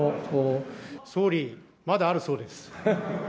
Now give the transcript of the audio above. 総理、まだあるそうです。